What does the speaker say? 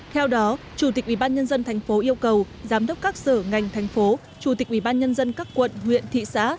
theo đó chủ tịch ubnd tp yêu cầu giám đốc các sở ngành thành phố chủ tịch ubnd các quận huyện thị xã